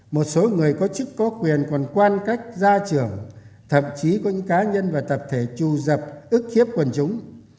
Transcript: một số người có chức có quyền còn quan cách gia trưởng thậm chí có những cá nhân và tập thể trù dập ức khiếp quần chúng